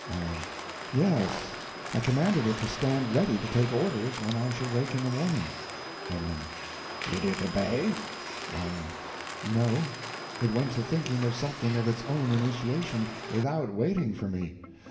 Y.M. Yes, I commanded it to stand ready to take orders when I should wake in the morning. O.M. Did it obey? Y.M. No. It went to thinking of something of its own initiation, without waiting for me.